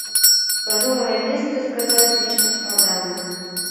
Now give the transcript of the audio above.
Пра новае месца сказаць нешта складана.